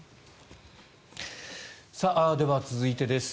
では、続いてです。